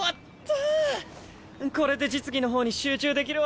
これで実技の方に集中できるわ。